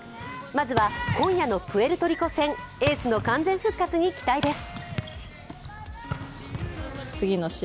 まずは今夜のプエルトリコ戦エースの完全復活に期待です。